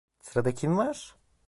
Sırada kim var?